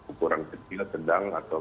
ukuran kecil sedang atau